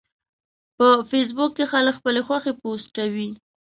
په فېسبوک کې خلک خپلې خوښې پوسټوي